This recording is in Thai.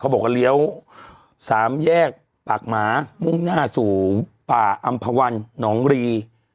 บอกว่าเลี้ยว๓แยกปากหมามุ่งหน้าสู่ป่าอำภาวันหนองรี